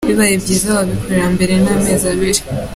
Bibaye byiza wabikora mbere ho amezi abiri.